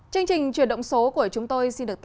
chương trình chuyển động số của chúng tôi xin được gọi là